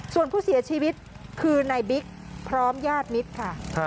ส่วนผู้เสียชีวิตคือนายบิ๊กพร้อมญาติมิตรค่ะ